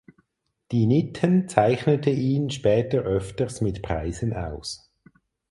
Die Nitten zeichnete ihn später öfters mit Preisen aus.